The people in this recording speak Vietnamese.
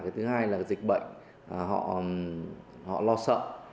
thứ hai là dịch bệnh họ lo sợ